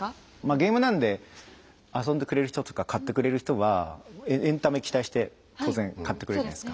ゲームなんで遊んでくれる人とか買ってくれる人はエンタメ期待して当然買ってくれるじゃないですか。